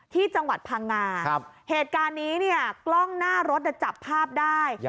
ที่จังหวัดพังงาเหตุการณ์นี้เนี่ยกล้องหน้ารถจับภาพได้